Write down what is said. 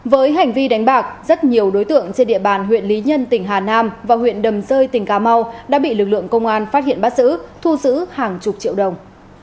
với hành vi đánh bạc rất nhiều đối tượng trên địa bàn huyện lý nhân tỉnh hà nam và huyện đầm rơi tỉnh cà mau đã bị lực lượng công an phát hiện bắt giữ thu giữ hàng chục triệu đồng